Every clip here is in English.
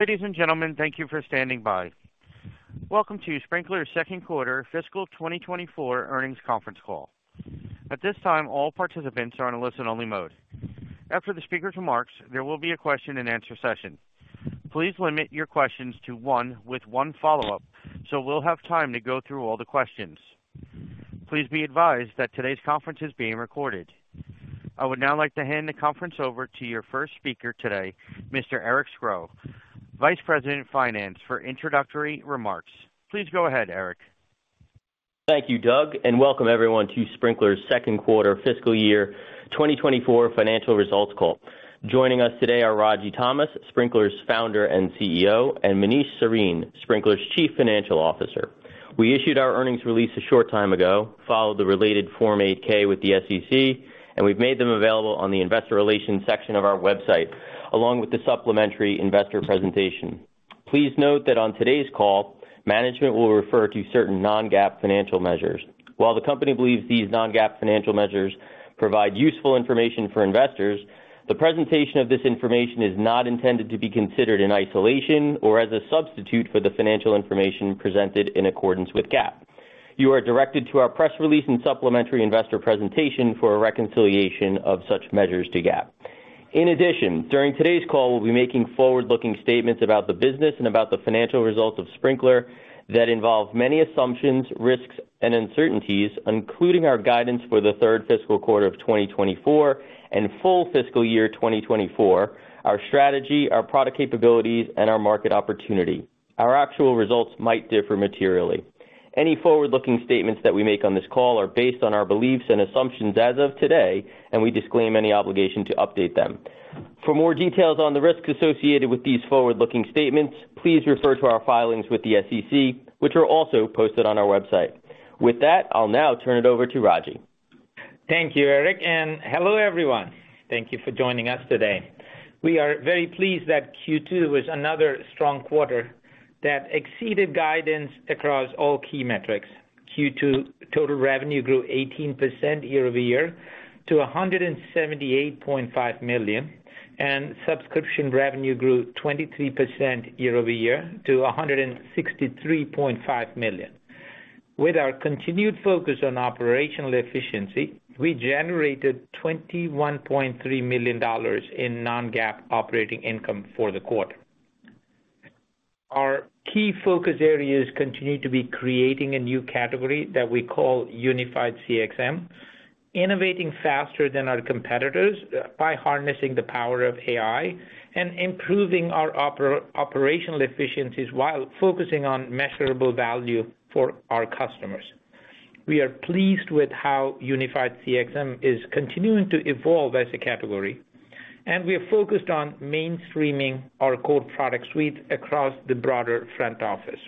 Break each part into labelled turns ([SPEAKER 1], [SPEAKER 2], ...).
[SPEAKER 1] Ladies and gentlemen, thank you for standing by. Welcome to Sprinklr's second quarter fiscal 2024 earnings conference call. At this time, all participants are in a listen-only mode. After the speaker's remarks, there will be a question-and-answer session. Please limit your questions to one with one follow-up, so we'll have time to go through all the questions. Please be advised that today's conference is being recorded. I would now like to hand the conference over to your first speaker today, Mr. Eric Scro, Vice President of Finance, for introductory remarks. Please go ahead, Eric.
[SPEAKER 2] Thank you, Doug, and welcome everyone to Sprinklr's second quarter fiscal year 2024 financial results call. Joining us today are Ragy Thomas, Sprinklr's founder and CEO, and Manish Sarin, Sprinklr's Chief Financial Officer. We issued our earnings release a short time ago, filed the related Form 8-K with the SEC, and we've made them available on the investor relations section of our website, along with the supplementary investor presentation. Please note that on today's call, management will refer to certain non-GAAP financial measures. While the company believes these non-GAAP financial measures provide useful information for investors, the presentation of this information is not intended to be considered in isolation or as a substitute for the financial information presented in accordance with GAAP. You are directed to our press release and supplementary investor presentation for a reconciliation of such measures to GAAP. In addition, during today's call, we'll be making forward-looking statements about the business and about the financial results of Sprinklr that involve many assumptions, risks, and uncertainties, including our guidance for the third fiscal quarter of 2024 and full fiscal year 2024, our strategy, our product capabilities, and our market opportunity. Our actual results might differ materially. Any forward-looking statements that we make on this call are based on our beliefs and assumptions as of today, and we disclaim any obligation to update them. For more details on the risks associated with these forward-looking statements, please refer to our filings with the SEC, which are also posted on our website. With that, I'll now turn it over to Ragy.
[SPEAKER 3] Thank you, Eric, and hello, everyone. Thank you for joining us today. We are very pleased that Q2 was another strong quarter that exceeded guidance across all key metrics. Q2 total revenue grew 18% year-over-year to $178.5 million, and subscription revenue grew 23% year-over-year to $163.5 million. With our continued focus on operational efficiency, we generated $21.3 million in non-GAAP operating income for the quarter. Our key focus areas continue to be creating a new category that we call Unified-CXM, innovating faster than our competitors by harnessing the power of AI, and improving our operational efficiencies while focusing on measurable value for our customers. We are pleased with how Unified-CXM is continuing to evolve as a category, and we are focused on mainstreaming our core product suite across the broader front office.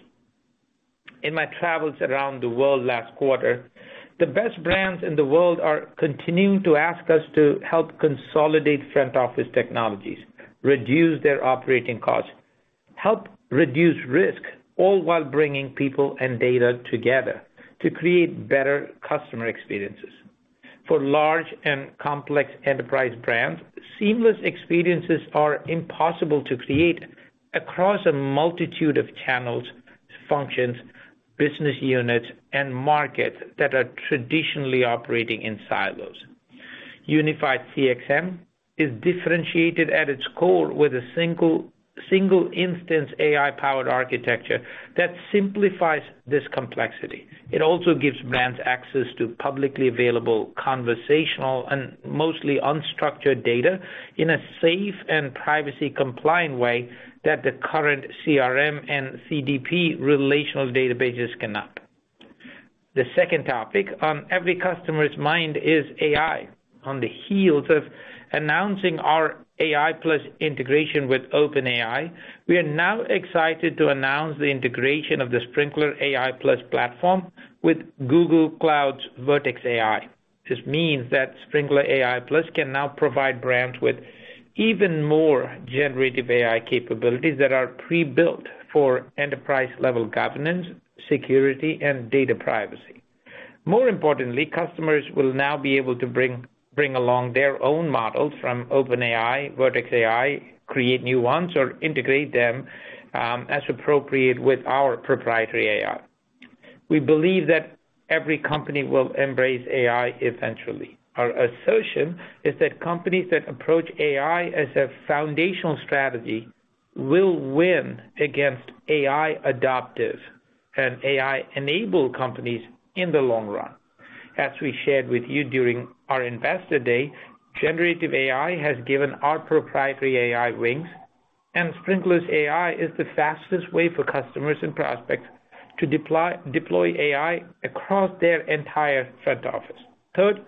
[SPEAKER 3] In my travels around the world last quarter, the best brands in the world are continuing to ask us to help consolidate front office technologies, reduce their operating costs, help reduce risk, all while bringing people and data together to create better customer experiences. For large and complex enterprise brands, seamless experiences are impossible to create across a multitude of channels, functions, business units, and markets that are traditionally operating in silos. Unified-CXM is differentiated at its core with a single instance AI-powered architecture that simplifies this complexity. It also gives brands access to publicly available conversational and mostly unstructured data in a safe and privacy-compliant way that the current CRM and CDP relational databases cannot. The second topic on every customer's mind is AI. On the heels of announcing our AI+ integration with OpenAI, we are now excited to announce the integration of the Sprinklr AI+ platform with Google Cloud's Vertex AI. This means that Sprinklr AI+ can now provide brands with even more generative AI capabilities that are prebuilt for enterprise-level governance, security, and data privacy. More importantly, customers will now be able to bring along their own models from OpenAI, Vertex AI, create new ones, or integrate them, as appropriate with our proprietary AI. We believe that every company will embrace AI eventually. Our assertion is that companies that approach AI as a foundational strategy will win against AI adoptive and AI-enabled companies in the long run. As we shared with you during our Investor Day, Generative AI has given our proprietary AI wings, and Sprinklr's AI is the fastest way for customers and prospects to deploy, deploy AI across their entire front office. Third,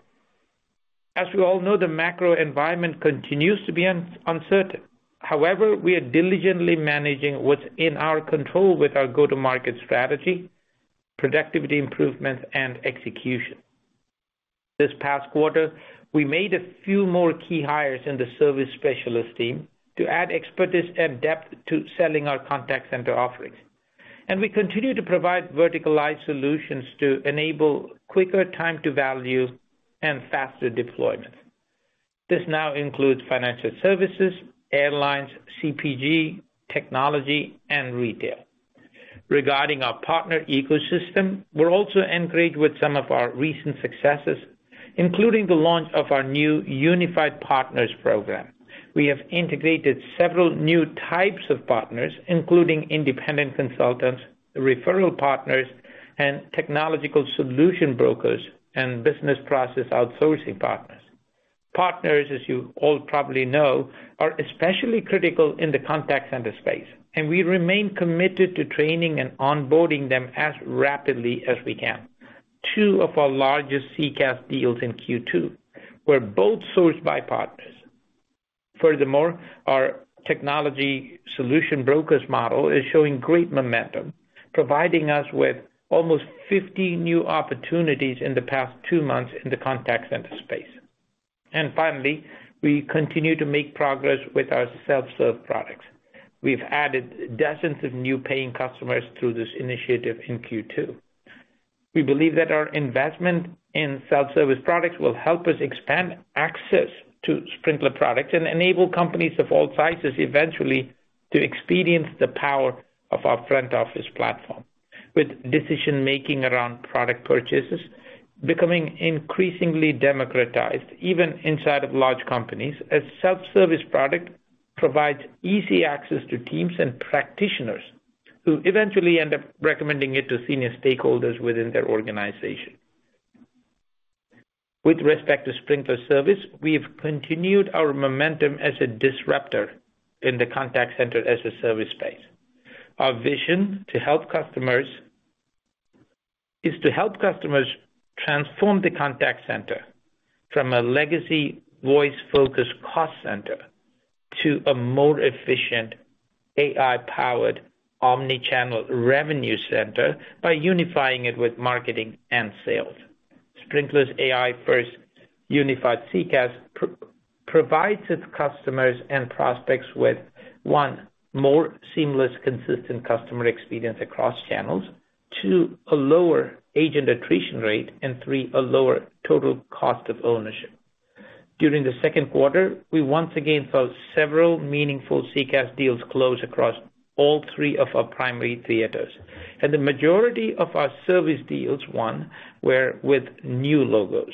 [SPEAKER 3] as we all know, the macro environment continues to be uncertain. However, we are diligently managing what's in our control with our go-to-market strategy, productivity improvements, and execution. This past quarter, we made a few more key hires in the service specialist team to add expertise and depth to selling our contact center offerings. We continue to provide verticalized solutions to enable quicker time to value and faster deployment. This now includes financial services, airlines, CPG, technology, and retail. Regarding our partner ecosystem, we're also encouraged with some of our recent successes, including the launch of our new Unified Partners Program. We have integrated several new types of partners, including independent consultants, referral partners, and technological solution brokers, and business process outsourcing partners. Partners, as you all probably know, are especially critical in the contact center space, and we remain committed to training and onboarding them as rapidly as we can. Two of our largest CCaaS deals in Q2 were both sourced by partners. Furthermore, our technology solution brokers model is showing great momentum, providing us with almost 50 new opportunities in the past two months in the contact center space. Finally, we continue to make progress with our self-serve products. We've added dozens of new paying customers through this initiative in Q2. We believe that our investment in self-service products will help us expand access to Sprinklr products and enable companies of all sizes eventually to experience the power of our front office platform. With decision-making around product purchases becoming increasingly democratized, even inside of large companies, a self-service product provides easy access to teams and practitioners who eventually end up recommending it to senior stakeholders within their organization. With respect to Sprinklr Service, we've continued our momentum as a disruptor in the contact center as a service space. Our vision is to help customers transform the contact center from a legacy voice-focused cost center to a more efficient AI-powered, omni-channel revenue center by unifying it with marketing and sales. Sprinklr's AI-first unified CCaaS provides its customers and prospects with, one, more seamless, consistent customer experience across channels. Two, a lower agent attrition rate, and three, a lower total cost of ownership. During the second quarter, we once again saw several meaningful CCaaS deals close across all three of our primary theaters, and the majority of our service deals were with new logos.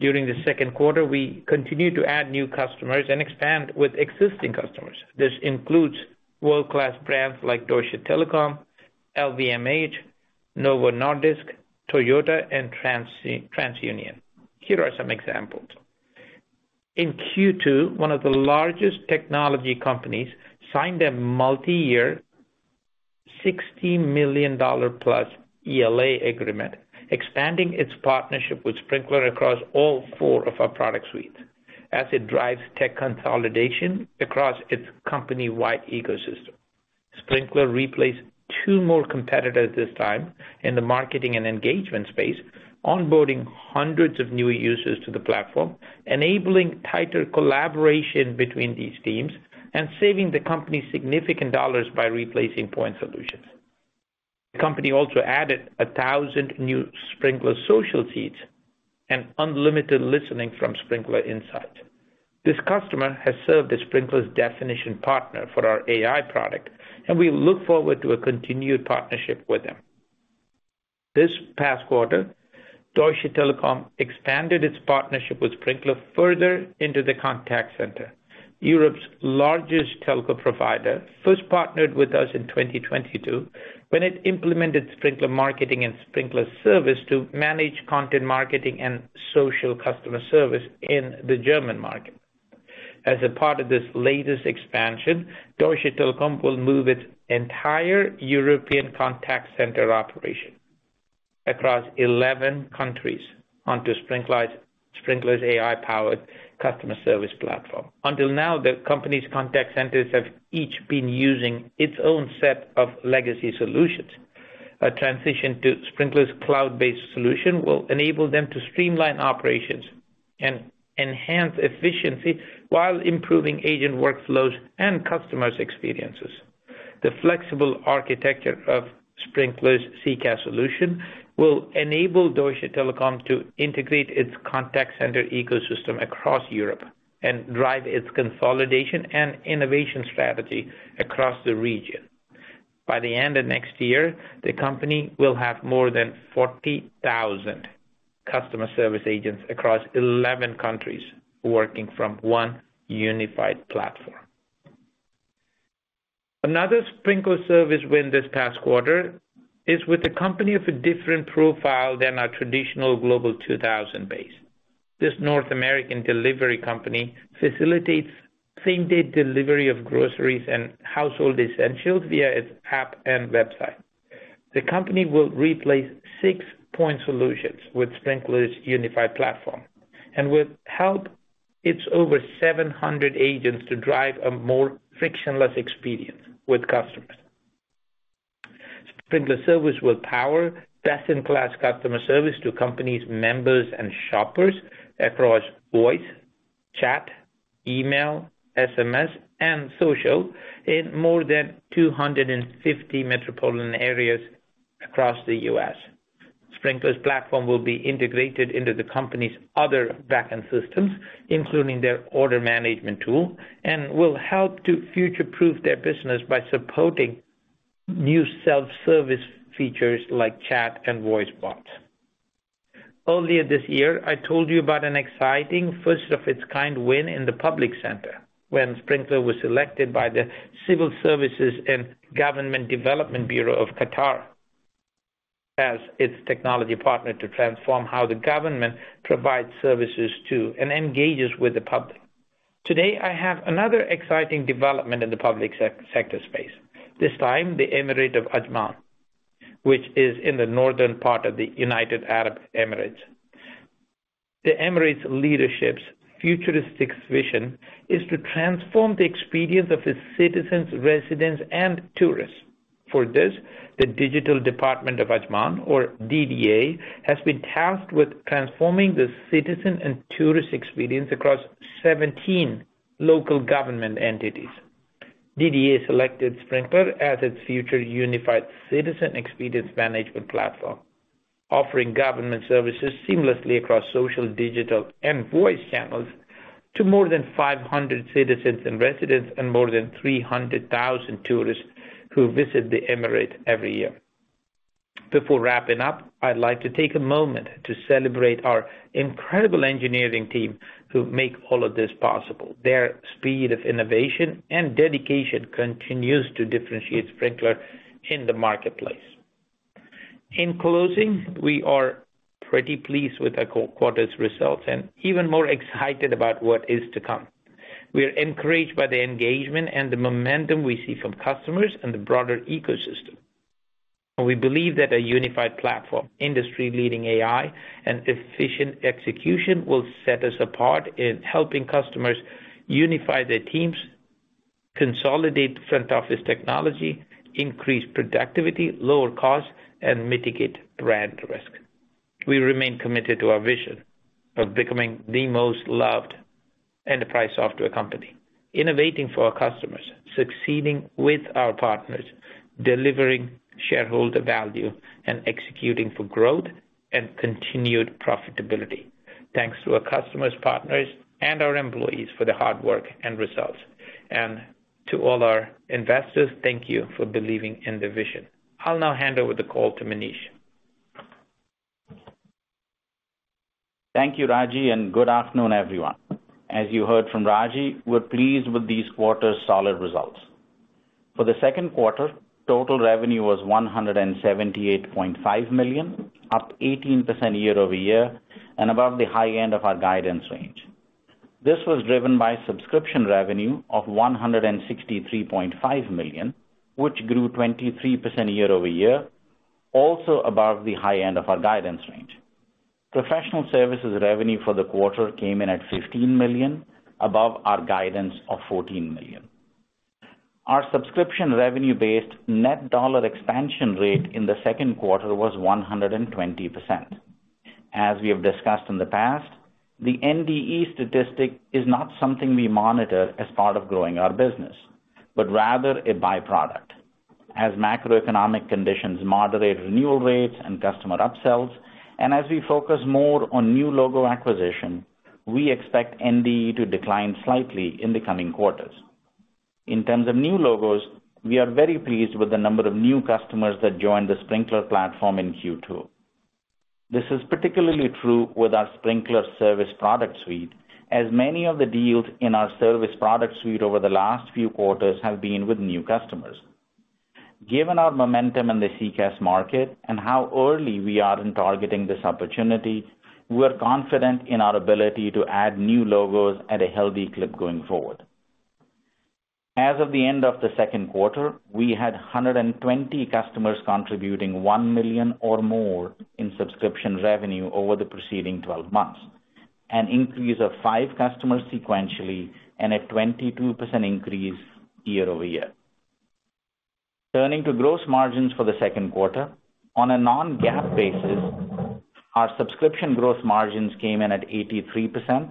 [SPEAKER 3] During the second quarter, we continued to add new customers and expand with existing customers. This includes world-class brands like Deutsche Telekom, LVMH, Novo Nordisk, Toyota, and TransUnion. Here are some examples: In Q2, one of the largest technology companies signed a multiyear $60+ million ELA agreement, expanding its partnership with Sprinklr across all four of our product suites. As it drives tech consolidation across its company-wide ecosystem. Sprinklr replaced two more competitors this time in the marketing and engagement space, onboarding hundreds of new users to the platform, enabling tighter collaboration between these teams, and saving the company significant dollars by replacing point solutions. The company also added 1,000 new Sprinklr Social feeds and unlimited listening from Sprinklr Insights. This customer has served as Sprinklr's definition partner for our AI product, and we look forward to a continued partnership with them. This past quarter, Deutsche Telekom expanded its partnership with Sprinklr further into the contact center. Europe's largest telco provider first partnered with us in 2022 when it implemented Sprinklr Marketing and Sprinklr Service to manage content, marketing, and social customer service in the German market. As a part of this latest expansion, Deutsche Telekom will move its entire European contact center operation across 11 countries onto Sprinklr's AI-powered customer service platform. Until now, the company's contact centers have each been using its own set of legacy solutions. A transition to Sprinklr's cloud-based solution will enable them to streamline operations and enhance efficiency while improving agent workflows and customers' experiences. The flexible architecture of Sprinklr's CCaaS solution will enable Deutsche Telekom to integrate its contact center ecosystem across Europe and drive its consolidation and innovation strategy across the region. By the end of next year, the company will have more than 40,000 customer service agents across 11 countries, working from one unified platform. Another Sprinklr Service win this past quarter is with a company of a different profile than our traditional Global 2000 base. This North American delivery company facilitates same-day delivery of groceries and household essentials via its app and website. The company will replace 6-point solutions with Sprinklr's unified platform and will help its over 700 agents to drive a more frictionless experience with customers. Sprinklr Service will power best-in-class customer service to companies, members, and shoppers across voice, chat, email, SMS, and social in more than 250 metropolitan areas across the U.S. Sprinklr's platform will be integrated into the company's other backend systems, including their order management tool, and will help to future-proof their business by supporting new self-service features like chat and voice bots. Earlier this year, I told you about an exciting first of its kind win in the public sector, when Sprinklr was selected by the Civil Services and Government Development Bureau of Qatar as its technology partner to transform how the government provides services to and engages with the public. Today, I have another exciting development in the public sector space. This time, the Emirate of Ajman, which is in the northern part of the United Arab Emirates. The Emirates leadership's futuristic vision is to transform the experience of its citizens, residents, and tourists. For this, the Department of Digital Ajman, or DDA, has been tasked with transforming the citizen and tourist experience across 17 local government entities. DDA selected Sprinklr as its future unified citizen experience management platform, offering government services seamlessly across social, digital, and voice channels to more than 500 citizens and residents, and more than 300,000 tourists who visit the Emirate every year. Before wrapping up, I'd like to take a moment to celebrate our incredible engineering team who make all of this possible. Their speed of innovation and dedication continues to differentiate Sprinklr in the marketplace. In closing, we are pretty pleased with the quarter's results, and even more excited about what is to come. We are encouraged by the engagement and the momentum we see from customers and the broader ecosystem, and we believe that a unified platform, industry-leading AI, and efficient execution will set us apart in helping customers unify their teams, consolidate front office technology, increase productivity, lower costs, and mitigate brand risk. We remain committed to our vision of becoming the most loved enterprise software company, innovating for our customers, succeeding with our partners, delivering shareholder value, and executing for growth and continued profitability. Thanks to our customers, partners, and our employees for their hard work and results. And to all our investors, thank you for believing in the vision. I'll now hand over the call to Manish.
[SPEAKER 4] Thank you, Ragy, and good afternoon, everyone. As you heard from Ragy, we're pleased with this quarter's solid results. For the second quarter, total revenue was $178.5 million, up 18% year-over-year, and above the high end of our guidance range. This was driven by subscription revenue of $163.5 million, which grew 23% year-over-year, also above the high end of our guidance range. Professional services revenue for the quarter came in at $15 million, above our guidance of $14 million. Our subscription revenue-based net dollar expansion rate in the second quarter was 120%. As we have discussed in the past, the NDE statistic is not something we monitor as part of growing our business, but rather a by-product. As macroeconomic conditions moderate renewal rates and customer upsells, and as we focus more on new logo acquisition, we expect NDE to decline slightly in the coming quarters. In terms of new logos, we are very pleased with the number of new customers that joined the Sprinklr platform in Q2. This is particularly true with our Sprinklr Service product suite, as many of the deals in our Service product suite over the last few quarters have been with new customers. Given our momentum in the CCaaS market and how early we are in targeting this opportunity, we are confident in our ability to add new logos at a healthy clip going forward. As of the end of the second quarter, we had 120 customers contributing $1 million or more in subscription revenue over the preceding twelve months, an increase of five customers sequentially and a 22% increase year-over-year. Turning to gross margins for the second quarter, on a non-GAAP basis, our subscription gross margins came in at 83%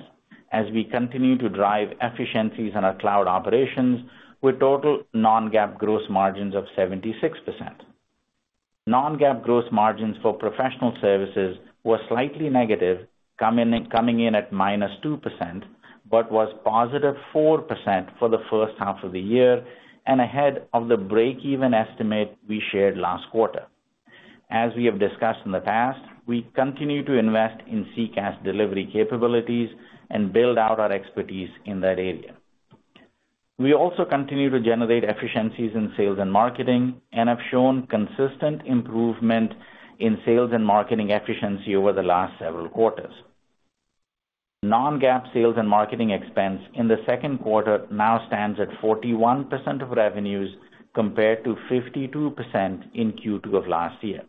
[SPEAKER 4] as we continue to drive efficiencies in our cloud operations, with total non-GAAP gross margins of 76%. Non-GAAP gross margins for professional services were slightly negative, coming in at -2%, but was +4% for the first half of the year and ahead of the break-even estimate we shared last quarter. As we have discussed in the past, we continue to invest in CCaaS delivery capabilities and build out our expertise in that area. We also continue to generate efficiencies in sales and marketing and have shown consistent improvement in sales and marketing efficiency over the last several quarters. Non-GAAP sales and marketing expense in the second quarter now stands at 41% of revenues, compared to 52% in Q2 of last year.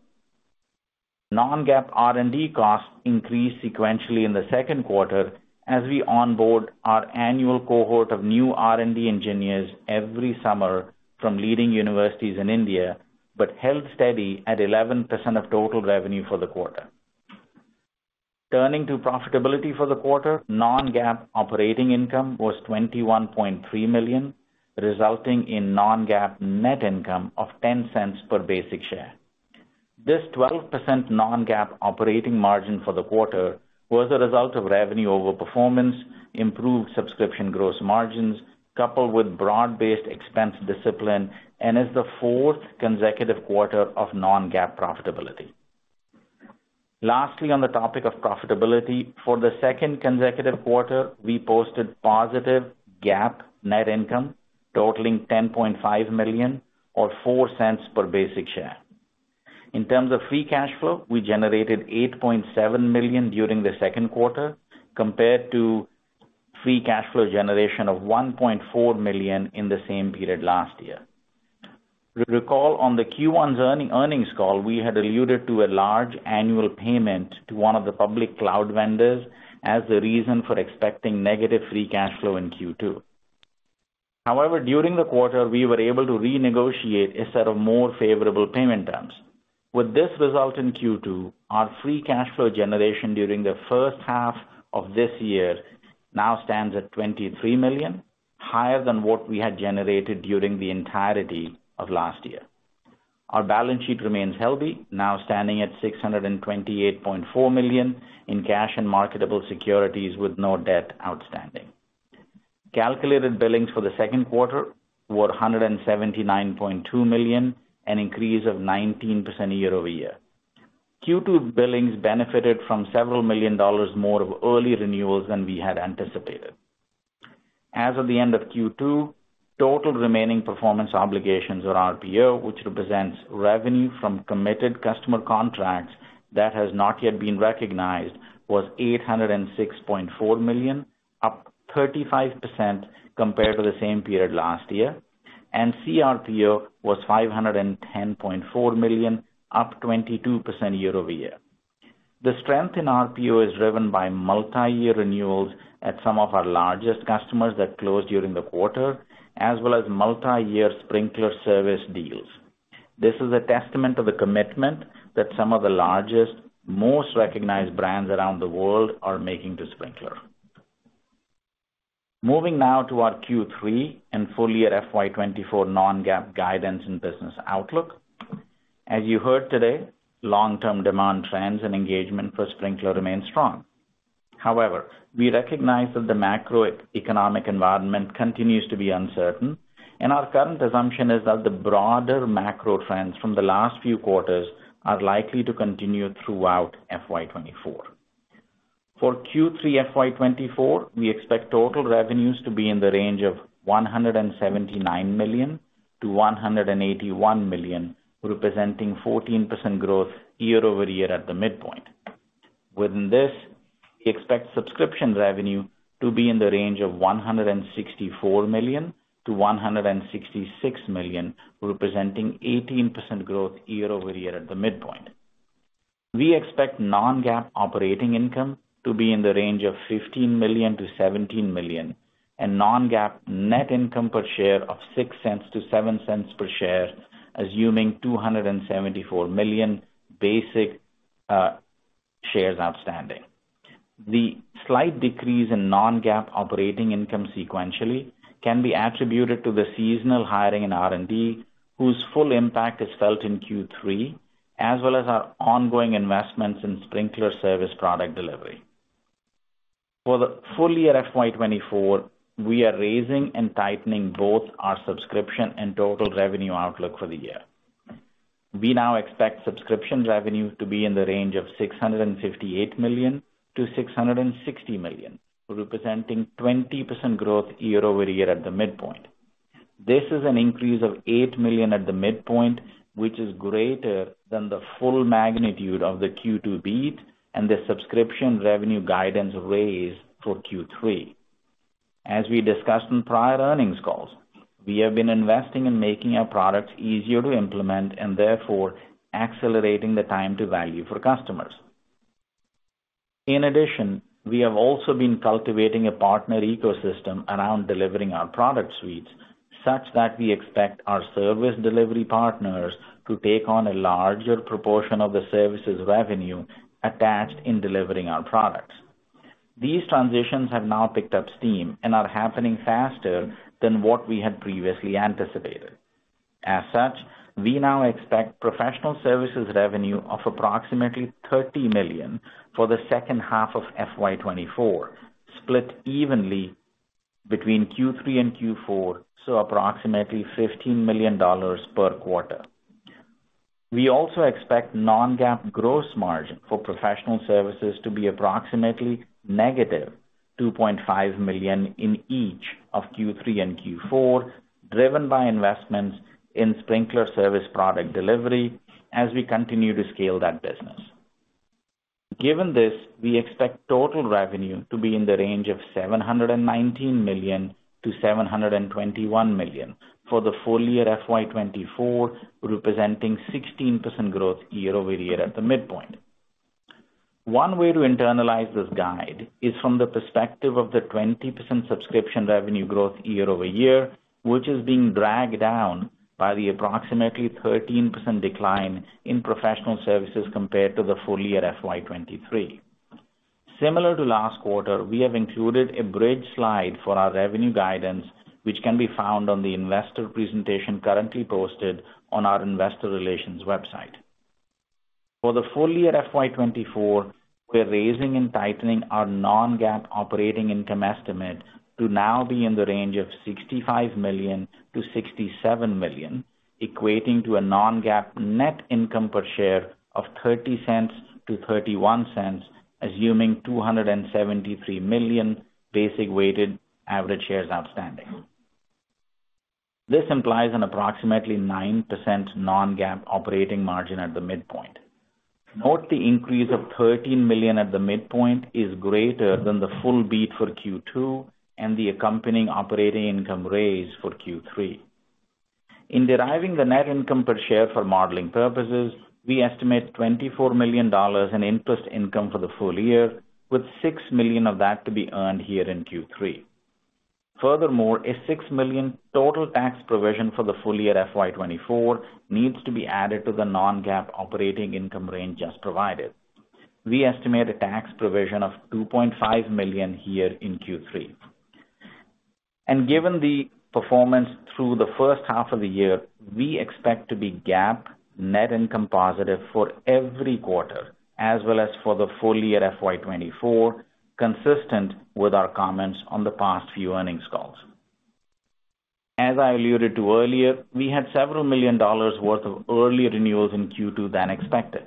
[SPEAKER 4] Non-GAAP R&D costs increased sequentially in the second quarter as we onboard our annual cohort of new R&D engineers every summer from leading universities in India, but held steady at 11% of total revenue for the quarter. Turning to profitability for the quarter, non-GAAP operating income was $21.3 million, resulting in non-GAAP net income of $0.10 per basic share. This 12% non-GAAP operating margin for the quarter was a result of revenue overperformance, improved subscription gross margins, coupled with broad-based expense discipline, and is the fourth consecutive quarter of non-GAAP profitability. Lastly, on the topic of profitability, for the second consecutive quarter, we posted positive GAAP net income totaling $10.5 million, or $0.04 per basic share. In terms of free cash flow, we generated $8.7 million during the second quarter, compared to free cash flow generation of $1.4 million in the same period last year. Recall, on the Q1 earnings call, we had alluded to a large annual payment to one of the public cloud vendors as the reason for expecting negative free cash flow in Q2. However, during the quarter, we were able to renegotiate a set of more favorable payment terms. With this result in Q2, our free cash flow generation during the first half of this year now stands at $23 million, higher than what we had generated during the entirety of last year. Our balance sheet remains healthy, now standing at $628.4 million in cash and marketable securities with no debt outstanding. Calculated billings for the second quarter were $179.2 million, an increase of 19% year-over-year. Q2 billings benefited from several million dollars more of early renewals than we had anticipated. As of the end of Q2, total remaining performance obligations, or RPO, which represents revenue from committed customer contracts that has not yet been recognized, was $806.4 million, up 35% compared to the same period last year, and CRPO was $510.4 million, up 22% year-over-year. The strength in RPO is driven by multiyear renewals at some of our largest customers that closed during the quarter, as well as multiyear Sprinklr Service deals. This is a testament to the commitment that some of the largest, most recognized brands around the world are making to Sprinklr. Moving now to our Q3 and full-year FY 2024 non-GAAP guidance and business outlook. As you heard today, long-term demand trends and engagement for Sprinklr remain strong. However, we recognize that the macroeconomic environment continues to be uncertain, and our current assumption is that the broader macro trends from the last few quarters are likely to continue throughout FY 2024. For Q3 FY 2024, we expect total revenues to be in the range of $179 million-$181 million, representing 14% growth year-over-year at the midpoint. Within this, we expect subscription revenue to be in the range of $164 million-$166 million, representing 18% growth year-over-year at the midpoint. We expect non-GAAP operating income to be in the range of $15 million-$17 million, and non-GAAP net income per share of $0.06-$0.07 per share, assuming 274 million basic shares outstanding. The slight decrease in non-GAAP operating income sequentially can be attributed to the seasonal hiring in R&D, whose full impact is felt in Q3, as well as our ongoing investments in Sprinklr Service product delivery. For the full year FY 2024, we are raising and tightening both our subscription and total revenue outlook for the year. We now expect subscription revenue to be in the range of $658 million-$660 million, representing 20% growth year-over-year at the midpoint. This is an increase of $8 million at the midpoint, which is greater than the full magnitude of the Q2 beat and the subscription revenue guidance raise for Q3. As we discussed in prior earnings calls, we have been investing in making our products easier to implement and therefore accelerating the time to value for customers. In addition, we have also been cultivating a partner ecosystem around delivering our product suites, such that we expect our service delivery partners to take on a larger proportion of the services revenue attached in delivering our products. These transitions have now picked up steam and are happening faster than what we had previously anticipated. As such, we now expect professional services revenue of approximately $30 million for the second half of FY 2024, split evenly between Q3 and Q4, so approximately $15 million per quarter. We also expect non-GAAP gross margin for professional services to be approximately -$2.5 million in each of Q3 and Q4, driven by investments in Sprinklr Service product delivery as we continue to scale that business. Given this, we expect total revenue to be in the range of $719 million-$721 million for the full year FY 2024, representing 16% growth year-over-year at the midpoint. One way to internalize this guide is from the perspective of the 20% subscription revenue growth year-over-year, which is being dragged down by the approximately 13% decline in professional services compared to the full year FY 2023. Similar to last quarter, we have included a bridge slide for our revenue guidance, which can be found on the investor presentation currently posted on our investor relations website. For the full year FY 2024, we're raising and tightening our non-GAAP operating income estimate to now be in the range of $65 million-$67 million, equating to a non-GAAP net income per share of $0.30-$0.31, assuming 273 million basic weighted average shares outstanding. This implies an approximately 9% non-GAAP operating margin at the midpoint. Note the increase of $13 million at the midpoint is greater than the full beat for Q2 and the accompanying operating income raise for Q3. In deriving the net income per share for modeling purposes, we estimate $24 million in interest income for the full year, with $6 million of that to be earned here in Q3. Furthermore, a $6 million total tax provision for the full year FY 2024 needs to be added to the non-GAAP operating income range just provided. We estimate a tax provision of $2.5 million here in Q3. Given the performance through the first half of the year, we expect to be GAAP net income positive for every quarter, as well as for the full year FY 2024, consistent with our comments on the past few earnings calls. As I alluded to earlier, we had several million dollars worth of early renewals in Q2 than expected.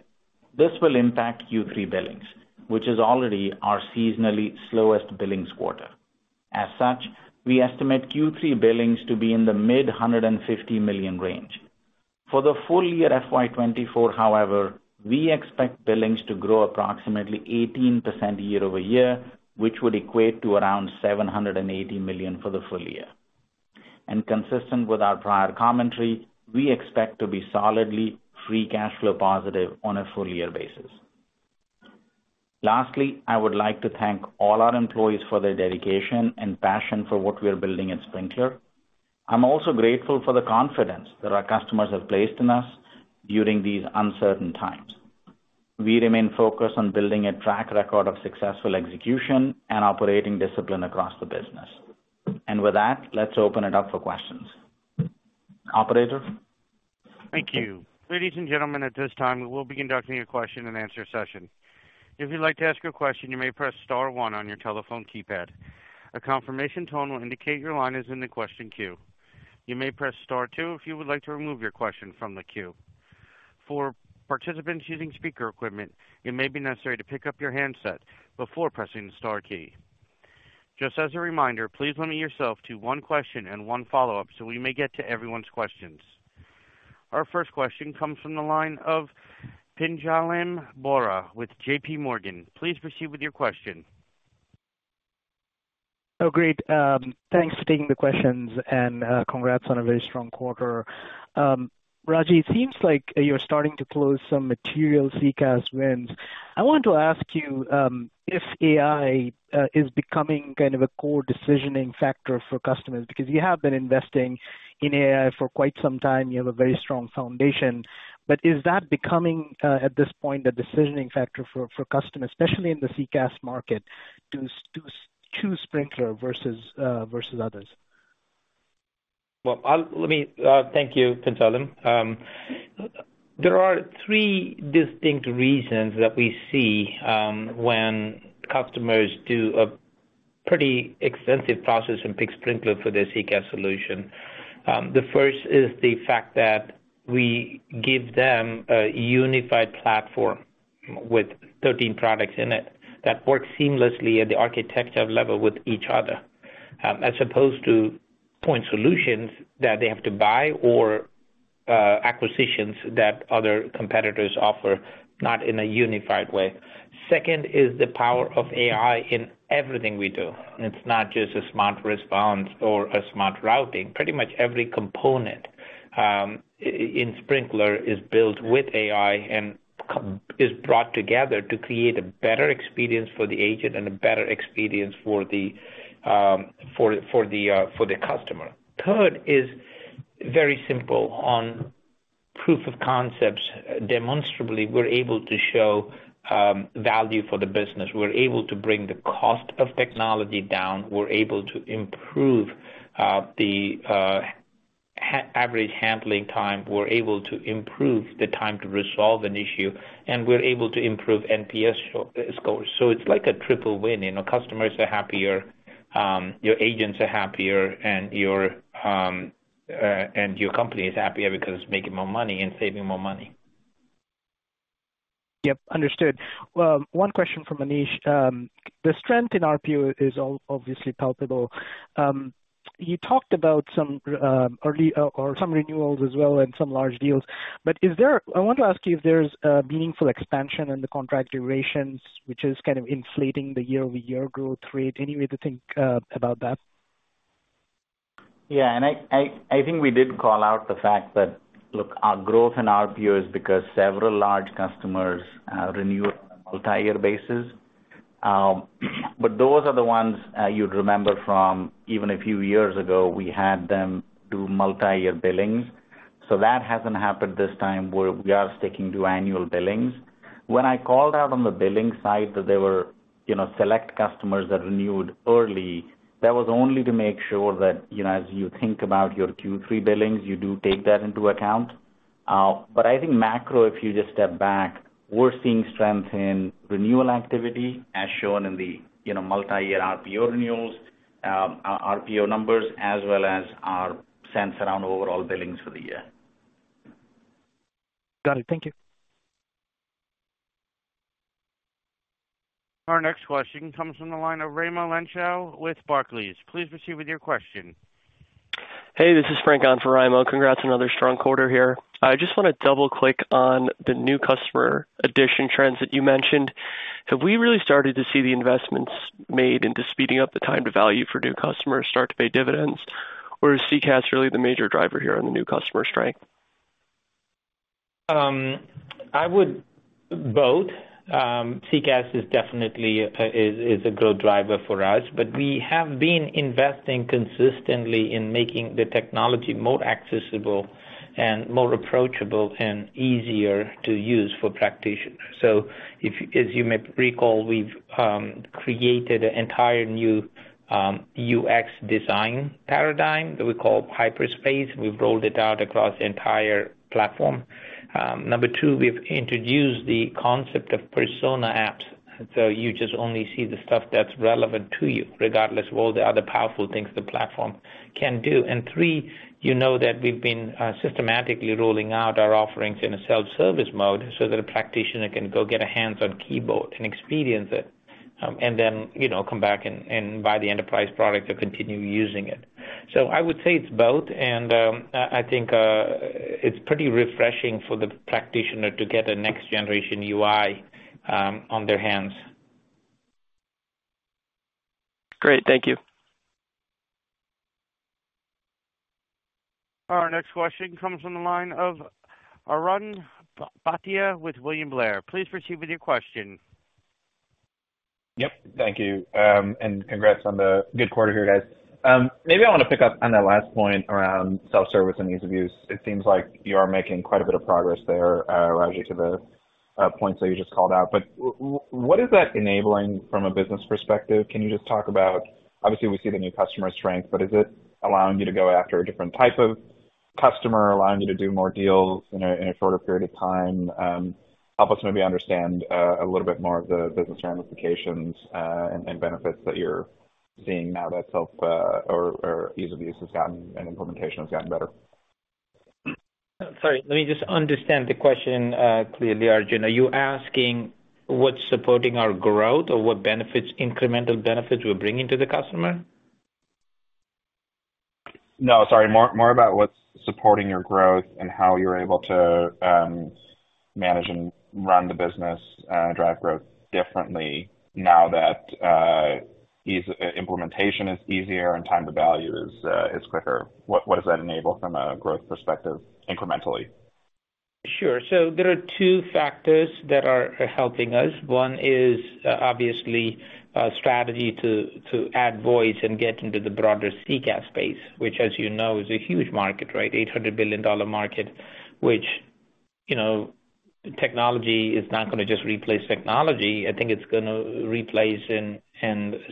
[SPEAKER 4] This will impact Q3 billings, which is already our seasonally slowest billings quarter. As such, we estimate Q3 billings to be in the mid-$150 million range. For the full year FY 2024, however, we expect billings to grow approximately 18% year-over-year, which would equate to around $780 million for the full year. Consistent with our prior commentary, we expect to be solidly free cash flow positive on a full year basis. Lastly, I would like to thank all our employees for their dedication and passion for what we are building at Sprinklr. I'm also grateful for the confidence that our customers have placed in us during these uncertain times. We remain focused on building a track record of successful execution and operating discipline across the business. And with that, let's open it up for questions. Operator?
[SPEAKER 1] Thank you. Ladies and gentlemen, at this time, we will be conducting a question-and-answer session. If you'd like to ask a question, you may press star one on your telephone keypad. A confirmation tone will indicate your line is in the question queue. You may press star two if you would like to remove your question from the queue. For participants using speaker equipment, it may be necessary to pick up your handset before pressing the star key. Just as a reminder, please limit yourself to one question and one follow-up, so we may get to everyone's questions. Our first question comes from the line of Pinjalim Bora with JPMorgan. Please proceed with your question.
[SPEAKER 5] Oh, great. Thanks for taking the questions, and, congrats on a very strong quarter. Ragy, it seems like you're starting to close some material CCaaS wins. I want to ask you, if AI, is becoming kind of a core decisioning factor for customers, because you have been investing in AI for quite some time, you have a very strong foundation. But is that becoming, at this point, a decisioning factor for, for customers, especially in the CCaaS market, to, to choose Sprinklr versus, versus others?
[SPEAKER 3] Well, let me thank you, Pinjalim. There are three distinct reasons that we see when customers do a pretty extensive process and pick Sprinklr for their CCaaS solution. The first is the fact that we give them a unified platform with 13 products in it that work seamlessly at the architecture level with each other, as opposed to point solutions that they have to buy or, acquisitions that other competitors offer, not in a unified way. Second is the power of AI in everything we do. It's not just a smart response or a smart routing. Pretty much every component in Sprinklr is built with AI and is brought together to create a better experience for the agent and a better experience for the customer. Third is very simple. On proof of concepts, demonstrably, we're able to show value for the business. We're able to bring the cost of technology down. We're able to improve the average handling time. We're able to improve the time to resolve an issue, and we're able to improve NPS scores. So it's like a triple win. You know, customers are happier, your agents are happier, and your company is happier because it's making more money and saving more money.
[SPEAKER 5] Yep, understood. Well, one question for Manish. The strength in RPO is obviously palpable. You talked about some early or some renewals as well and some large deals. But is there... I want to ask you if there's a meaningful expansion in the contract durations, which is kind of inflating the year-over-year growth rate. Any way to think about that?
[SPEAKER 4] Yeah, and I think we did call out the fact that, look, our growth in RPO is because several large customers renewed on a multiyear basis. ... But those are the ones you'd remember from even a few years ago, we had them do multi-year billings. So that hasn't happened this time, where we are sticking to annual billings. When I called out on the billing side that there were, you know, select customers that renewed early, that was only to make sure that, you know, as you think about your Q3 billings, you do take that into account. But I think macro, if you just step back, we're seeing strength in renewal activity, as shown in the, you know, multi-year RPO renewals, our RPO numbers, as well as our sense around overall billings for the year.
[SPEAKER 5] Got it. Thank you.
[SPEAKER 1] Our next question comes from the line of Raimo Lenschow with Barclays. Please proceed with your question.
[SPEAKER 6] Hey, this is Frank on for Raimo. Congrats on another strong quarter here. I just want to double-click on the new customer addition trends that you mentioned. Have we really started to see the investments made into speeding up the time to value for new customers start to pay dividends, or is CCaaS really the major driver here on the new customer strength?
[SPEAKER 3] I would both. CCaaS is definitely a growth driver for us, but we have been investing consistently in making the technology more accessible and more approachable and easier to use for practitioners. So if, as you may recall, we've created an entire new UX design paradigm that we call Hyperspace. We've rolled it out across the entire platform. Number two, we've introduced the concept of persona apps. So you just only see the stuff that's relevant to you, regardless of all the other powerful things the platform can do. And three, you know that we've been systematically rolling out our offerings in a self-service mode so that a practitioner can go get a hands-on keyboard and experience it, and then, you know, come back and buy the enterprise product or continue using it. So I would say it's both, and I think it's pretty refreshing for the practitioner to get a Next-Generation UI on their hands.
[SPEAKER 6] Great. Thank you.
[SPEAKER 1] Our next question comes from the line of Arjun Bhatia with William Blair. Please proceed with your question.
[SPEAKER 7] Yep, thank you. And congrats on the good quarter here, guys. Maybe I want to pick up on that last point around self-service and ease of use. It seems like you are making quite a bit of progress there, Ragy, to the points that you just called out. But what is that enabling from a business perspective? Can you just talk about... Obviously, we see the new customer strength, but is it allowing you to go after a different type of customer, allowing you to do more deals in a shorter period of time? Help us maybe understand a little bit more of the business ramifications and benefits that you're seeing now that self or ease of use has gotten and implementation has gotten better.
[SPEAKER 3] Sorry, let me just understand the question, clearly, Arjun. Are you asking what's supporting our growth or what benefits, incremental benefits we're bringing to the customer?
[SPEAKER 7] No, sorry, more about what's supporting your growth and how you're able to manage and run the business, drive growth differently now that ease implementation is easier and time to value is quicker. What does that enable from a growth perspective, incrementally?
[SPEAKER 3] Sure. So there are two factors that are helping us. One is obviously strategy to add voice and get into the broader CCaaS space, which, as you know, is a huge market, right? $800 billion market, which, you know, technology is not gonna just replace technology. I think it's gonna replace and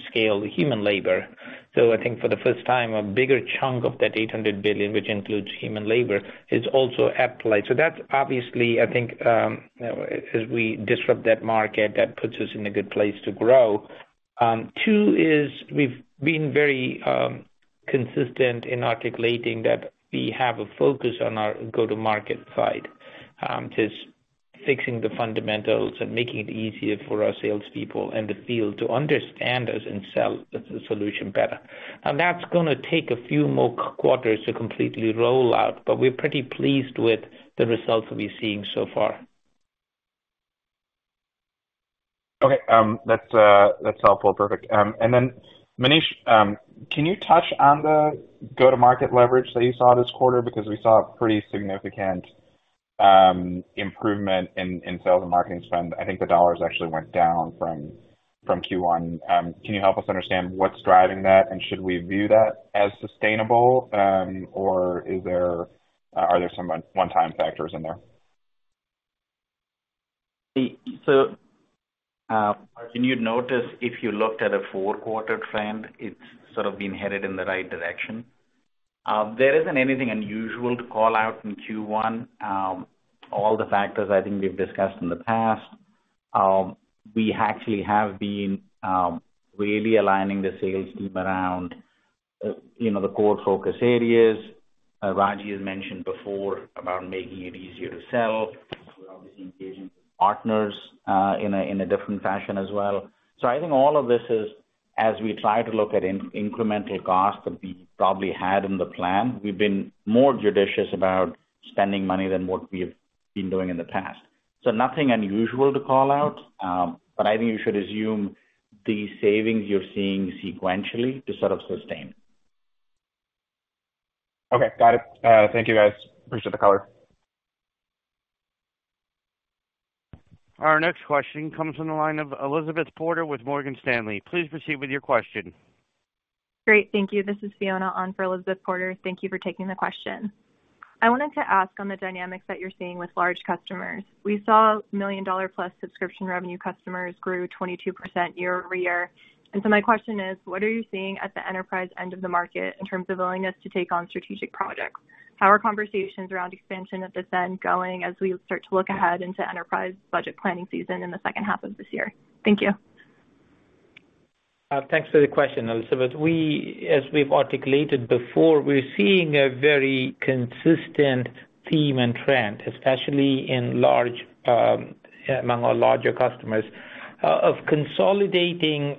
[SPEAKER 3] scale human labor. So I think for the first time, a bigger chunk of that $800 billion, which includes human labor, is also up for grabs. So that's obviously, I think, you know, as we disrupt that market, that puts us in a good place to grow. Two is we've been very consistent in articulating that we have a focus on our go-to-market side to fixing the fundamentals and making it easier for our salespeople in the field to understand us and sell the solution better. That's gonna take a few more quarters to completely roll out, but we're pretty pleased with the results we've been seeing so far.
[SPEAKER 7] Okay. That's helpful. Perfect. And then, Manish, can you touch on the go-to-market leverage that you saw this quarter? Because we saw a pretty significant improvement in sales and marketing spend. I think the dollars actually went down from Q1. Can you help us understand what's driving that? And should we view that as sustainable, or are there some one-time factors in there?
[SPEAKER 4] So, can you notice if you looked at a four-quarter trend, it's sort of been headed in the right direction. There isn't anything unusual to call out in Q1. All the factors I think we've discussed in the past. We actually have been really aligning the sales team around, you know, the core focus areas. Ragy has mentioned before about making it easier to sell. We're obviously engaging with partners in a different fashion as well. So I think all of this is as we try to look at incremental costs that we probably had in the plan, we've been more judicious about spending money than what we have been doing in the past. So nothing unusual to call out, but I think you should assume the savings you're seeing sequentially to sort of sustain.
[SPEAKER 7] Okay. Got it. Thank you, guys. Appreciate the color.
[SPEAKER 1] Our next question comes from the line of Elizabeth Porter with Morgan Stanley. Please proceed with your question.
[SPEAKER 8] Great, thank you. This is Fiona on for Elizabeth Porter. Thank you for taking the question. I wanted to ask on the dynamics that you're seeing with large customers. We saw million-dollar-plus subscription revenue customers grew 22% year-over-year. And so my question is, what are you seeing at the enterprise end of the market in terms of willingness to take on strategic projects? How are conversations around expansion at this end going as we start to look ahead into enterprise budget planning season in the second half of this year? Thank you.
[SPEAKER 3] Thanks for the question, Elizabeth. We as we've articulated before, we're seeing a very consistent theme and trend, especially in large, among our larger customers, of consolidating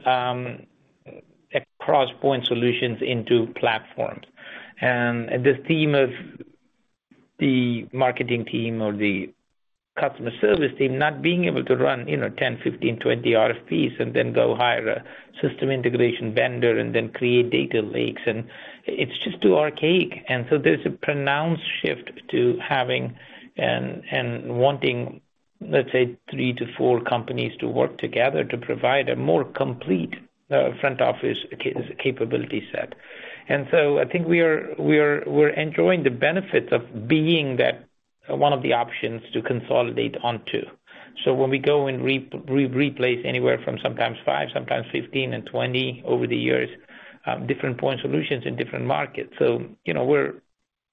[SPEAKER 3] across point solutions into platforms. The theme of the marketing team or the customer service team not being able to run, you know, 10, 15, 20 RFPs and then go hire a system integration vendor and then create data lakes, and it's just too archaic. So there's a pronounced shift to having and wanting, let's say, three to four companies to work together to provide a more complete front office capability set. So I think we are, we're enjoying the benefits of being that one of the options to consolidate onto. So when we go and replace anywhere from sometimes five, sometimes 15, and 20 over the years, different point solutions in different markets. So, you know, we're,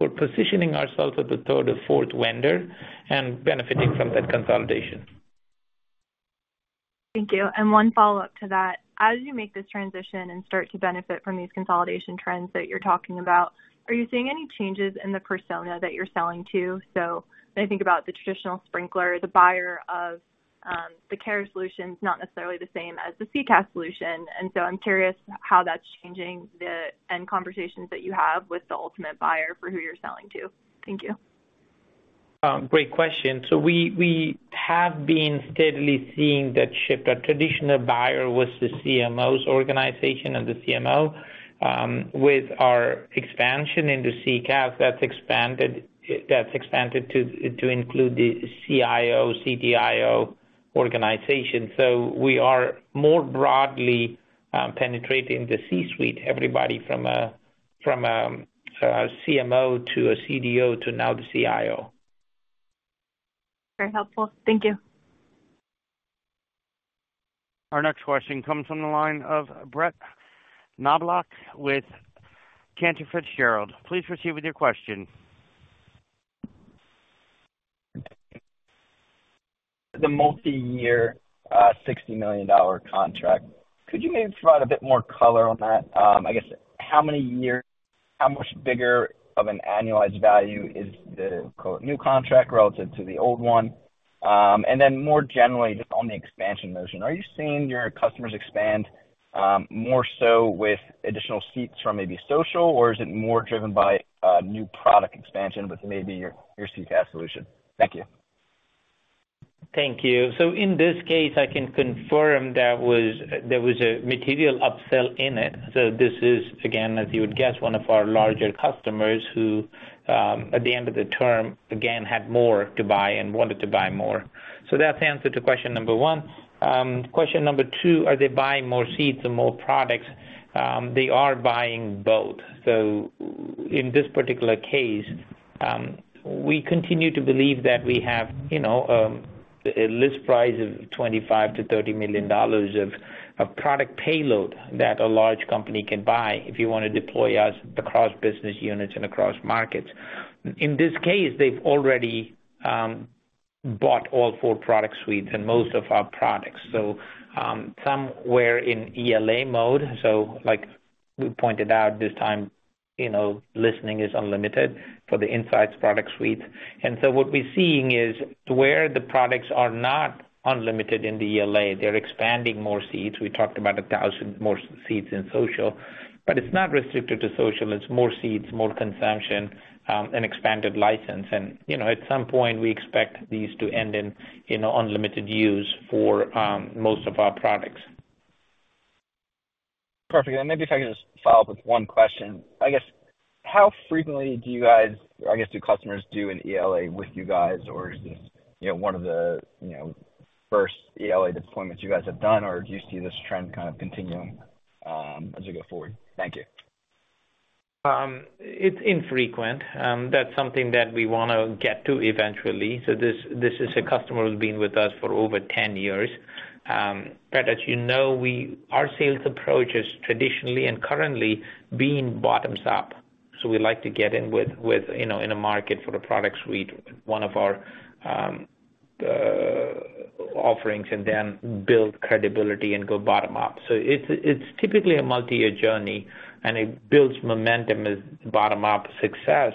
[SPEAKER 3] we're positioning ourselves as the third or fourth vendor and benefiting from that consolidation.
[SPEAKER 8] Thank you. And one follow-up to that. As you make this transition and start to benefit from these consolidation trends that you're talking about, are you seeing any changes in the persona that you're selling to? So when I think about the traditional Sprinklr, the buyer of, the Care solution is not necessarily the same as the CCaaS solution. And so I'm curious how that's changing the end conversations that you have with the ultimate buyer for who you're selling to. Thank you.
[SPEAKER 3] Great question. So we, we have been steadily seeing that shift. Our traditional buyer was the CMO's organization and the CMO. With our expansion into CCaaS, that's expanded, that's expanded to include the CIO, CDIO organization. So we are more broadly penetrating the C-suite, everybody from a CMO to a CDO to now the CIO.
[SPEAKER 8] Very helpful. Thank you.
[SPEAKER 1] Our next question comes from the line of Brett Knoblauch with Cantor Fitzgerald. Please proceed with your question.
[SPEAKER 9] The multiyear $60 million contract, could you maybe provide a bit more color on that? I guess, how many years... How much bigger of an annualized value is the new contract relative to the old one? And then more generally, just on the expansion motion, are you seeing your customers expand more so with additional seats from maybe social, or is it more driven by new product expansion with maybe your CCaaS solution? Thank you.
[SPEAKER 3] Thank you. So in this case, I can confirm there was a material upsell in it. So this is, again, as you would guess, one of our larger customers who, at the end of the term, again, had more to buy and wanted to buy more. So that's the answer to question number one. Question number two, are they buying more seats and more products? They are buying both. So in this particular case, we continue to believe that we have, you know, a list price of $25 million-$30 million of product payload that a large company can buy if you want to deploy us across business units and across markets. In this case, they've already bought all four product suites and most of our products, so some were in ELA mode. So like we pointed out this time, you know, listening is unlimited for the insights product suite. And so what we're seeing is where the products are not unlimited in the ELA, they're expanding more seats. We talked about 1,000 more seats in social, but it's not restricted to social. It's more seats, more consumption, and expanded license. And, you know, at some point, we expect these to end in unlimited use for most of our products.
[SPEAKER 9] Perfect. Maybe if I could just follow up with one question. I guess, how frequently do you guys, or I guess, do customers do an ELA with you guys, or is this, you know, one of the, you know, first ELA deployments you guys have done, or do you see this trend kind of continuing, as we go forward? Thank you.
[SPEAKER 3] It's infrequent. That's something that we want to get to eventually. So this is a customer who's been with us for over 10 years. But as you know, our sales approach has traditionally and currently been bottoms up. So we like to get in with, you know, in a market for a product suite, one of our offerings, and then build credibility and go bottom up. So it's typically a multi-year journey, and it builds momentum as bottom-up success,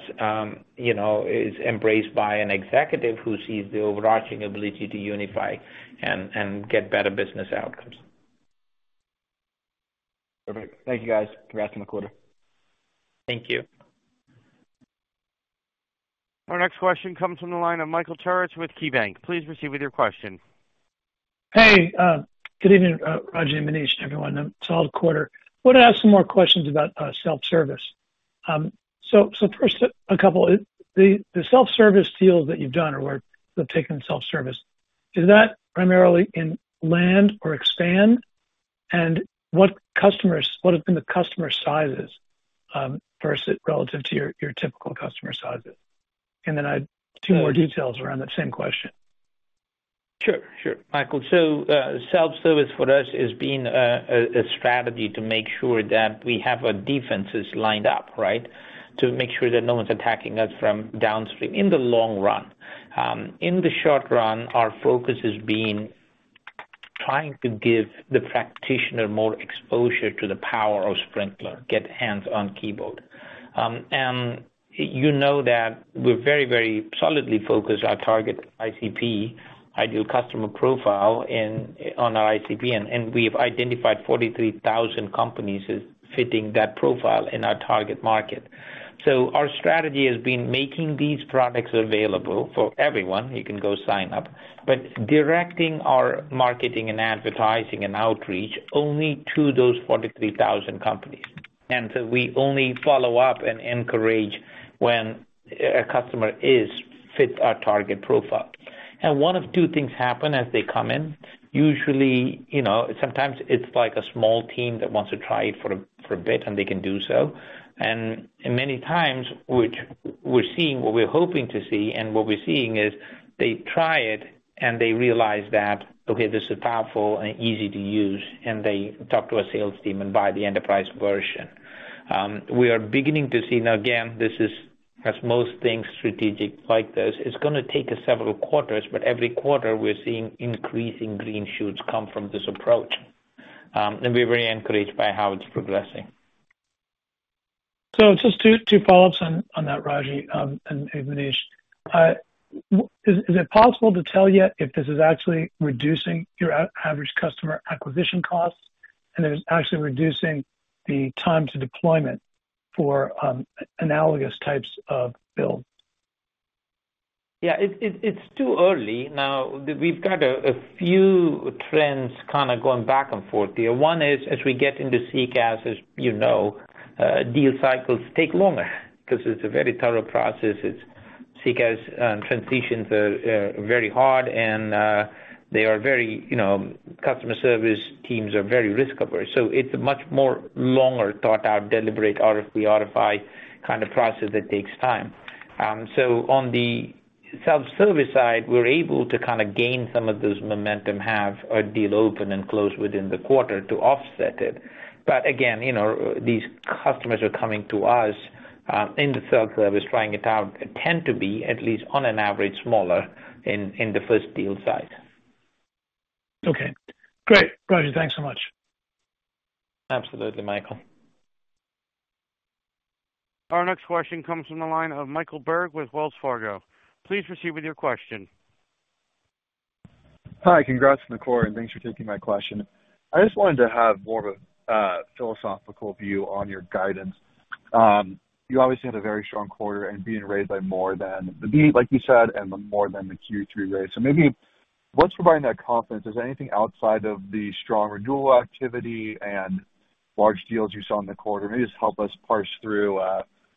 [SPEAKER 3] you know, is embraced by an executive who sees the overarching ability to unify and get better business outcomes.
[SPEAKER 9] Perfect. Thank you, guys. Congrats on the quarter.
[SPEAKER 3] Thank you.
[SPEAKER 1] Our next question comes from the line of Michael Turits with KeyBanc. Please proceed with your question.
[SPEAKER 10] Hey, good evening, Ragy, Manish, and everyone. Solid quarter. Wanted to ask some more questions about self-service. So first, a couple... The self-service deals that you've done or were taken self-service, is that primarily in land or expand? And what customers-- what have been the customer sizes versus relative to your typical customer sizes? And then I have two more details around that same question.
[SPEAKER 3] Sure, sure, Michael. So, self-service for us has been a strategy to make sure that we have our defenses lined up, right? To make sure that no one's attacking us from downstream in the long run. In the short run, our focus has been trying to give the practitioner more exposure to the power of Sprinklr, get hands on keyboard. And you know that we're very, very solidly focused on our target ICP, ideal customer profile, on our ICP, and we've identified 43,000 companies as fitting that profile in our target market. So our strategy has been making these products available for everyone, you can go sign up, but directing our marketing and advertising and outreach only to those 43,000 companies. And so we only follow up and encourage when a customer fits our target profile. One of two things happen as they come in. Usually, you know, sometimes it's like a small team that wants to try it for a bit, and they can do so. And many times, which we're seeing, what we're hoping to see and what we're seeing is they try it, and they realize that, okay, this is powerful and easy to use, and they talk to a sales team and buy the enterprise version. We are beginning to see... Now, again, this is, as most things strategic like this, it's gonna take us several quarters, but every quarter we're seeing increasing green shoots come from this approach. And we're very encouraged by how it's progressing.
[SPEAKER 10] So just two follow-ups on that, Ragy and Manish. Is it possible to tell yet if this is actually reducing your average customer acquisition costs and it is actually reducing the time to deployment for analogous types of build?
[SPEAKER 3] Yeah, it's too early. Now, we've got a few trends kind of going back and forth here. One is as we get into CCaaS, as you know, deal cycles take longer because it's a very thorough process. It's CCaaS, transitions are very hard and they are very, you know, customer service teams are very risk-averse. So it's a much more longer, thought-out, deliberate RFP, RFI kind of process that takes time. So on the self-service side, we're able to kind of gain some of those momentum, have a deal open and close within the quarter to offset it. But again, you know, these customers are coming to us in the self-service, trying it out, tend to be, at least on an average, smaller in the first deal size.
[SPEAKER 10] Okay, great. Ragy, thanks so much.
[SPEAKER 3] Absolutely, Michael.
[SPEAKER 1] Our next question comes from the line of Michael Berg with Wells Fargo. Please proceed with your question.
[SPEAKER 11] Hi, congrats on the quarter, and thanks for taking my question. I just wanted to have more of a philosophical view on your guidance. You obviously had a very strong quarter and being raised by more than the beat, like you said, and more than the Q3 raise. So maybe what's providing that confidence? Is there anything outside of the strong renewal activity and large deals you saw in the quarter? Maybe just help us parse through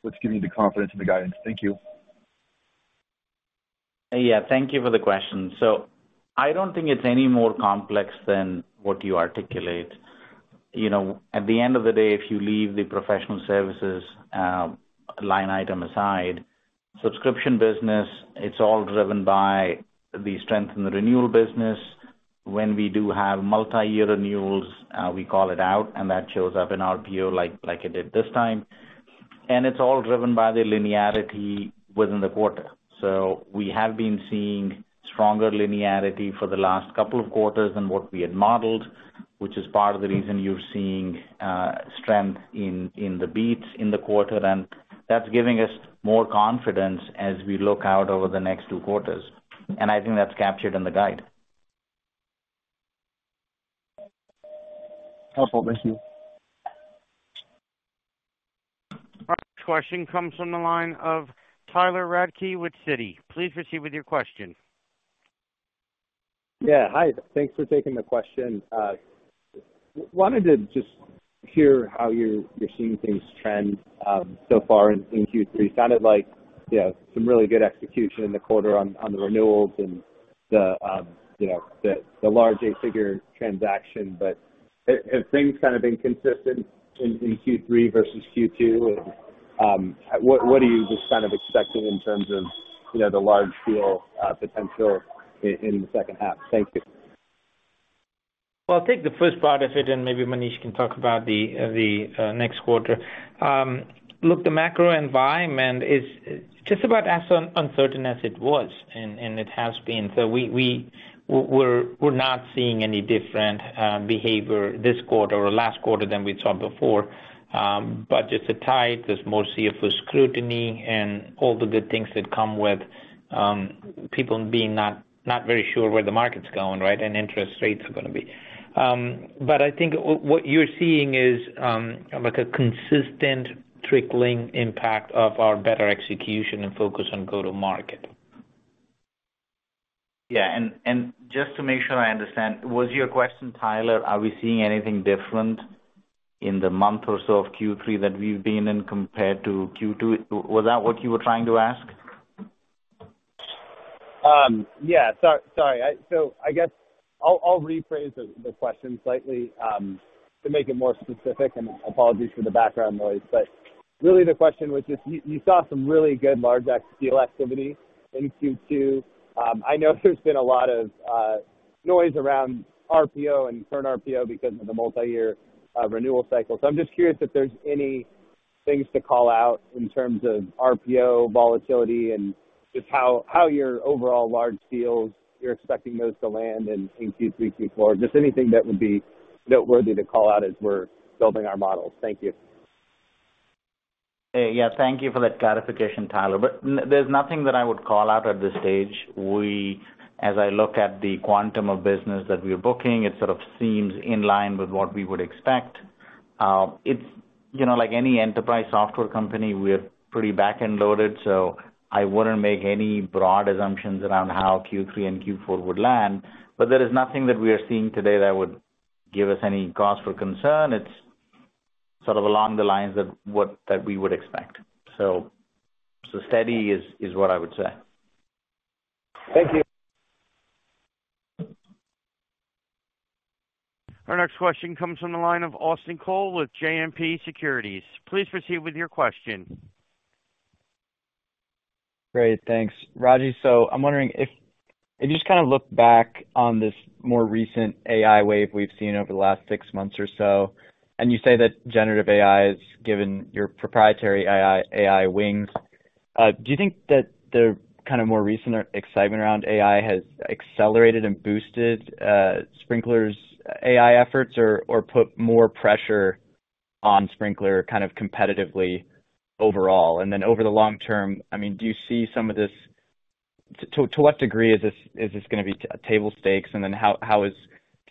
[SPEAKER 11] what's giving you the confidence in the guidance. Thank you.
[SPEAKER 3] Yeah, thank you for the question. So I don't think it's any more complex than what you articulate. You know, at the end of the day, if you leave the professional services line item aside, subscription business, it's all driven by the strength in the renewal business. When we do have multiyear renewals, we call it out, and that shows up in our PO like it did this time. And it's all driven by the linearity within the quarter. So we have been seeing stronger linearity for the last couple of quarters than what we had modeled, which is part of the reason you're seeing strength in the beats in the quarter, and that's giving us more confidence as we look out over the next two quarters. And I think that's captured in the guide.
[SPEAKER 11] Wonderful. Thank you.
[SPEAKER 1] Our next question comes from the line of Tyler Radke with Citi. Please proceed with your question.
[SPEAKER 12] Yeah. Hi, thanks for taking the question. Wanted to just hear how you're seeing things trend so far in Q3. Sounded like, you know, some really good execution in the quarter on the renewals and the, you know, the large eight-figure transaction. But have things kind of been consistent in Q3 versus Q2? And, what are you just kind of expecting in terms of, you know, the large deal potential in the second half? Thank you.
[SPEAKER 3] Well, I'll take the first part of it, and maybe Manish can talk about the next quarter. Look, the macro environment is just about as uncertain as it was and it has been. So we're not seeing any different behavior this quarter or last quarter than we saw before. Budgets are tight, there's more CFO scrutiny and all the good things that come with people being not very sure where the market's going, right? And interest rates are gonna be.... But I think what you're seeing is like a consistent trickling impact of our better execution and focus on go-to-market. Yeah, and just to make sure I understand, was your question, Tyler, are we seeing anything different in the month or so of Q3 that we've been in compared to Q2? Was that what you were trying to ask?
[SPEAKER 12] Yeah, sorry. So I guess I'll rephrase the question slightly, and apologies for the background noise. But really the question was just, you saw some really good large deal activity in Q2. I know there's been a lot of noise around RPO and current RPO because of the multiyear renewal cycle. So I'm just curious if there's any things to call out in terms of RPO volatility and just how your overall large deals, you're expecting those to land in Q3, Q4. Just anything that would be noteworthy to call out as we're building our models. Thank you.
[SPEAKER 3] Yeah, thank you for that clarification, Tyler, but there's nothing that I would call out at this stage. We, as I look at the quantum of business that we're booking, it sort of seems in line with what we would expect. It's, you know, like any enterprise software company, we're pretty back-end loaded, so I wouldn't make any broad assumptions around how Q3 and Q4 would land, but there is nothing that we are seeing today that would give us any cause for concern. It's sort of along the lines of what that we would expect. So, so steady is, is what I would say.
[SPEAKER 12] Thank you.
[SPEAKER 1] Our next question comes from the line of Austin Cole with JMP Securities. Please proceed with your question.
[SPEAKER 13] Great. Thanks, Ragy. So I'm wondering if, if you just kind of look back on this more recent AI wave we've seen over the last six months or so, and you say that generative AI has given your proprietary AI, AI wings, do you think that the kind of more recent excitement around AI has accelerated and boosted Sprinklr's AI efforts or, or put more pressure on Sprinklr kind of competitively overall? And then over the long term, I mean, do you see some of this... To, to what degree is this, is this gonna be table stakes, and then how, how is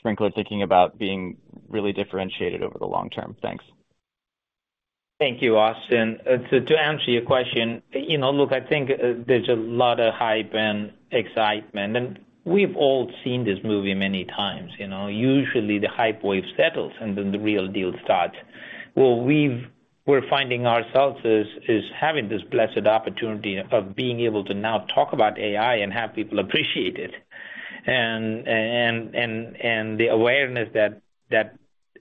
[SPEAKER 13] Sprinklr thinking about being really differentiated over the long term? Thanks.
[SPEAKER 3] Thank you, Austin. To answer your question, you know, look, I think there's a lot of hype and excitement, and we've all seen this movie many times, you know? Usually the hype wave settles, and then the real deal starts. Where we're finding ourselves is having this blessed opportunity of being able to now talk about AI and have people appreciate it, and the awareness that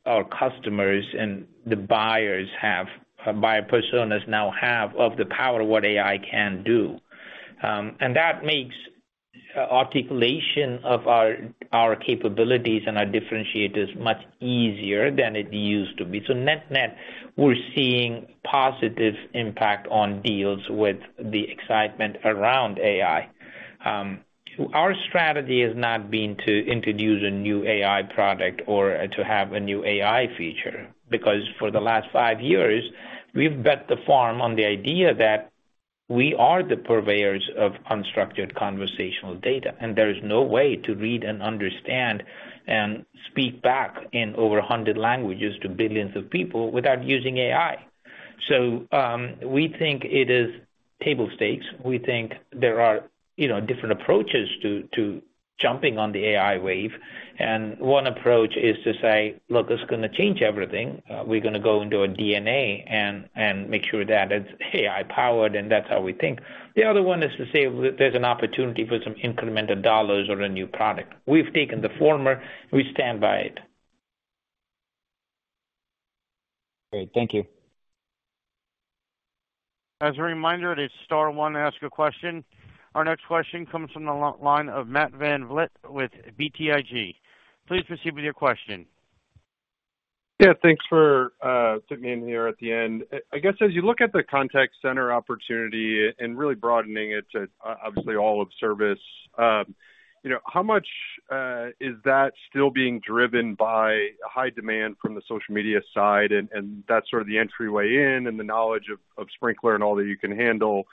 [SPEAKER 3] our customers and the buyers have, buyer personas now have, of the power of what AI can do. And that makes articulation of our capabilities and our differentiators much easier than it used to be. So net-net, we're seeing positive impact on deals with the excitement around AI. Our strategy has not been to introduce a new AI product or to have a new AI feature, because for the last five years, we've bet the farm on the idea that we are the purveyors of unstructured conversational data, and there is no way to read and understand and speak back in over 100 languages to billions of people without using AI. So, we think it is table stakes. We think there are, you know, different approaches to, to jumping on the AI wave, and one approach is to say, "Look, it's gonna change everything. We're gonna go into our DNA and, and make sure that it's AI-powered, and that's how we think." The other one is to say, "There's an opportunity for some incremental dollars or a new product." We've taken the former, we stand by it.
[SPEAKER 13] Great. Thank you.
[SPEAKER 1] As a reminder, it is star one to ask a question. Our next question comes from the line of Matt VanVliet with BTIG. Please proceed with your question.
[SPEAKER 14] Yeah, thanks for fitting me in here at the end. I guess, as you look at the contact center opportunity and really broadening it to obviously, all of service, you know, how much is that still being driven by high demand from the social media side, and that's sort of the entryway in, and the knowledge of Sprinklr and all that you can handle,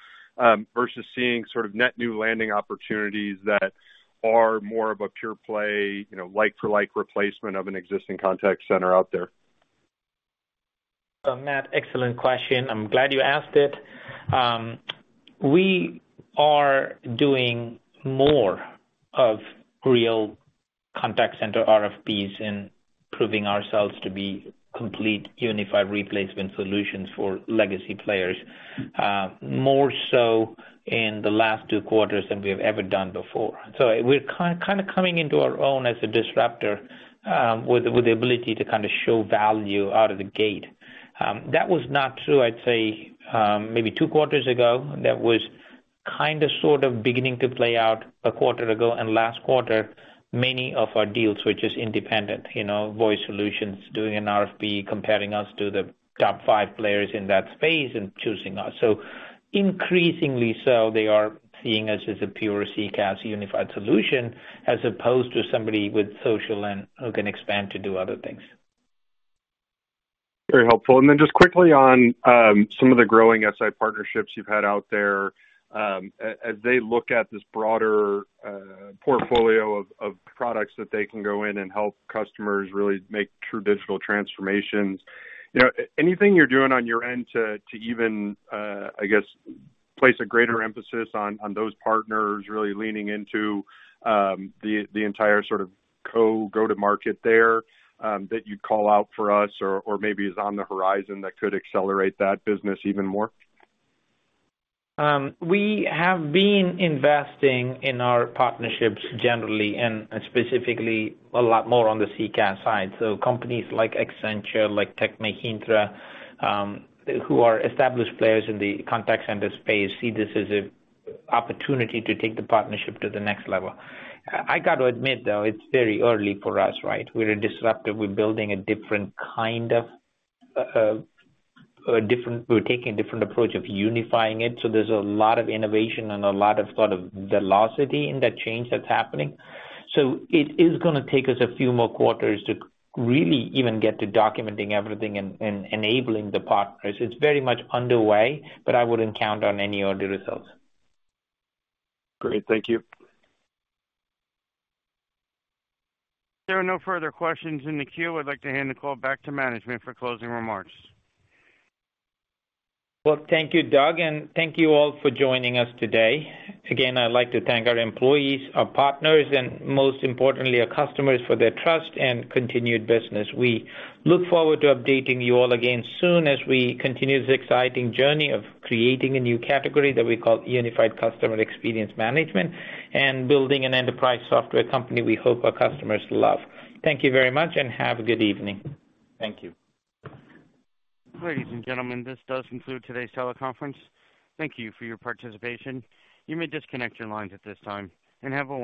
[SPEAKER 14] versus seeing sort of net new landing opportunities that are more of a pure play, you know, like for like replacement of an existing contact center out there?
[SPEAKER 3] So Matt, excellent question. I'm glad you asked it. We are doing more of real contact center RFPs and proving ourselves to be complete, unified replacement solutions for legacy players, more so in the last two quarters than we have ever done before. So we're kind of coming into our own as a disruptor, with the ability to kind of show value out of the gate. That was not true, I'd say, maybe two quarters ago. That was kind of, sort of beginning to play out a quarter ago, and last quarter, many of our deals, which is independent, you know, voice solutions, doing an RFP, comparing us to the top five players in that space and choosing us. So increasingly so, they are seeing us as a pure CCaaS unified solution, as opposed to somebody with social and who can expand to do other things....
[SPEAKER 14] Very helpful. And then just quickly on some of the growing SI partnerships you've had out there, as they look at this broader portfolio of products that they can go in and help customers really make true digital transformations. You know, anything you're doing on your end to even, I guess, place a greater emphasis on those partners really leaning into the entire sort of co-go-to-market there that you'd call out for us or maybe is on the horizon that could accelerate that business even more?
[SPEAKER 3] We have been investing in our partnerships generally and, and specifically a lot more on the CCaaS side. So companies like Accenture, like Tech Mahindra, who are established players in the contact center space, see this as an opportunity to take the partnership to the next level. I, I got to admit, though, it's very early for us, right? We're a disruptive, we're building a different kind of, we're taking a different approach of unifying it, so there's a lot of innovation and a lot of sort of velocity in that change that's happening. So it is gonna take us a few more quarters to really even get to documenting everything and, and enabling the partners. It's very much underway, but I wouldn't count on any early results.
[SPEAKER 14] Great. Thank you.
[SPEAKER 1] There are no further questions in the queue. I'd like to hand the call back to management for closing remarks.
[SPEAKER 3] Well, thank you, Doug, and thank you all for joining us today. Again, I'd like to thank our employees, our partners, and most importantly, our customers for their trust and continued business. We look forward to updating you all again soon as we continue this exciting journey of creating a new category that we call Unified Customer Experience Management, and building an enterprise software company we hope our customers love. Thank you very much and have a good evening.
[SPEAKER 4] Thank you.
[SPEAKER 1] Ladies and gentlemen, this does conclude today's teleconference. Thank you for your participation. You may disconnect your lines at this time, and have a wonderful night.